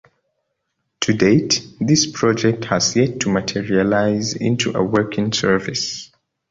To date, this project has yet to materialise into a working service.